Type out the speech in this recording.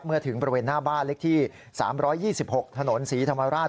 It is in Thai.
ถึงบริเวณหน้าบ้านเล็กที่๓๒๖ถนนศรีธรรมราช